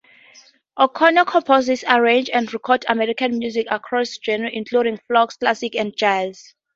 O'Connor composes, arranges, and records American music across genres including folk, classical and jazz.